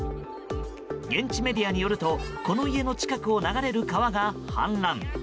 現地メディアによるとこの家の近くを流れる川が氾濫。